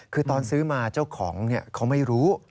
คือตอนซื้อมาเจ้าของเขาไม่รู้